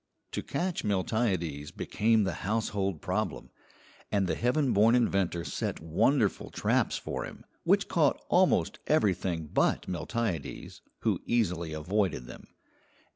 To catch Miltiades became the household problem, and the heaven born inventor set wonderful traps for him, which caught almost everything but Miltiades, who easily avoided them.